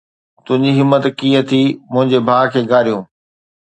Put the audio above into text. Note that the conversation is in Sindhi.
تنهنجي همت ڪيئن ٿي منهنجي ڀاءُ کي گاريون